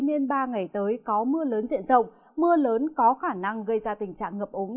nên ba ngày tới có mưa lớn diện rộng mưa lớn có khả năng gây ra tình trạng ngập ống